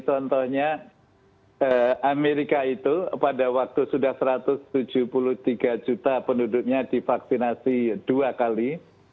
contohnya amerika itu pada waktu sudah satu ratus tujuh puluh tiga juta penduduknya divaksinasi dua kali